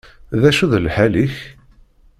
D acu d lḥal-ik?